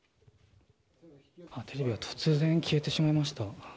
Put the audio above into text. テレビが突然消えてしまいました。